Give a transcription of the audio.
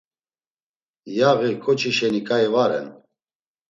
Yaği ǩoçi şeni ǩai va ren.